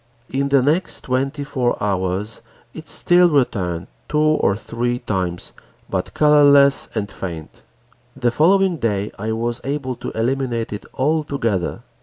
In the next twenty four hours, it still returned two or three times, but colorless and faint. The following day I was able to eliminate it altogether.